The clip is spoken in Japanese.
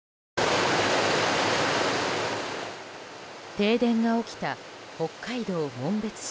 停電が起きた北海道紋別市。